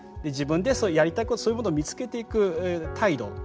自分でやりたいことそういうものを見つけていく態度